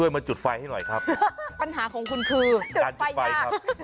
ปัญหาของคุณคือจุดไฟยาก